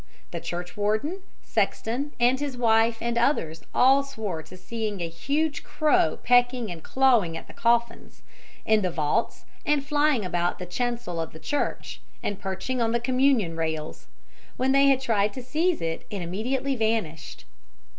The churchwarden, sexton, and his wife and others all swore to seeing a huge crow pecking and clawing at the coffins in the vaults, and flying about the chancel of the church, and perching on the communion rails. When they tried to seize it, it immediately vanished.